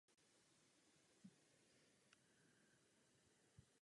Existence vojenské základny též zajišťuje pohyb vojenských letadel.